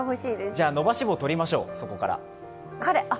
じゃあ伸ばし棒取りましょう、そこから。